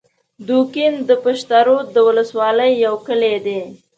دوکین د پشترود د ولسوالۍ یو کلی دی